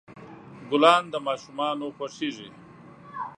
ګلان د ماشومان خوښیږي.